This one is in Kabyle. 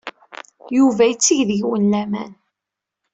Yuba yetteg deg-wen laman.